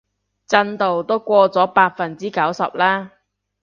進度都過咗百分之九十啦